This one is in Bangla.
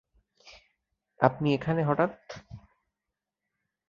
আপনি এখানে হঠাৎ?